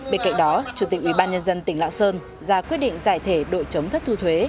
bên cạnh đó chủ tịch ubnd tỉnh lạng sơn ra quyết định giải thể đội chống thất thu thuế